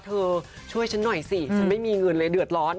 เธอช่วยหน่อยสิฉันไม่มีเงินเลยเรื่อยขึ้น